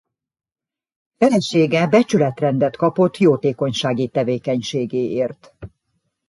Felesége Becsületrendet kapott jótékonysági tevékenységéért.